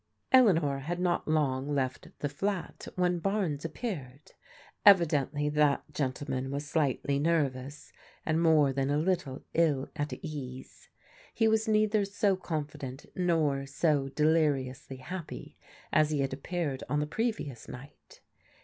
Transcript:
Eleanor had not long left the flat when Barnes ap peared. Evidently that gentleman was slightly nervous, and more than a little ill at ease. He was neither so con fident nor so deliriously happy as he had appeared on the previous night.